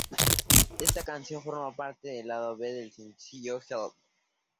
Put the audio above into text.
Esta canción formó parte del lado B del sencillo "Help!